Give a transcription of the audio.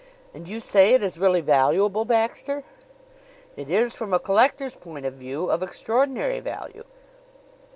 And you say it is really valuable, Baxter?" "It is, from a collector's point of view, of extraordinary value."